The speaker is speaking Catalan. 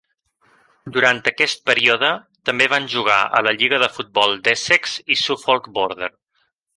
Durant aquest període, també van jugar a la lliga de futbol d'Essex i Suffolk Border,